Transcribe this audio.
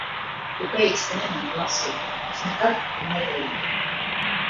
Tu teici ka nemāki lasīt. Es nekad to nedarīju.